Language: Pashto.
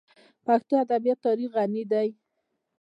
د پښتو ادبیاتو تاریخ غني دی.